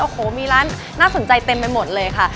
โอ้โหมีร้านน่าสนใจเต็มไปหมดเลยค่ะ